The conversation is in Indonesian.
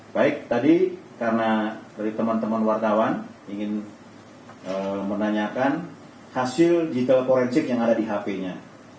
baik tadi karena dari teman teman wartawan ingin menanyakan hasil digital forensik yang ada di hp nya